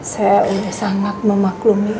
saya udah sangat memaklumi